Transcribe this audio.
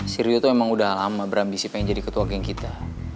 si rio tuh emang udah lama berambisi pengen jadi ketua geng kita